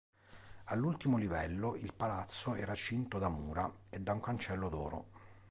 All'ultimo livello il Palazzo era cinto da mura e da un cancello d'oro.